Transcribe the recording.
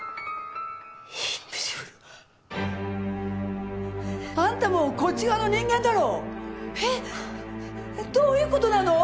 インビジブルあんたもこっち側の人間だろえっえっどういうことなの？